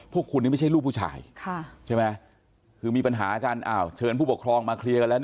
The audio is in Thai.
พวกคุณนี่ไม่ใช่ลูกผู้ชายใช่ไหมคือมีปัญหากันเชิญผู้ปกครองมาเคลียร์กันแล้ว